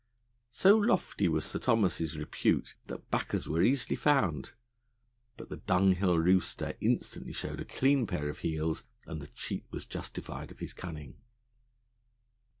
So lofty was Sir Thomas's repute that backers were easily found, but the dunghill rooster instantly showed a clean pair of heels, and the cheat was justified of his cunning.